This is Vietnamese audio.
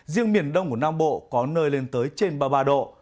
riêng miền đông của nam bộ có nơi lên tới trên ba mươi ba độ